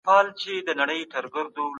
اوس ښځه له کور څخه بهر پاتې شوه.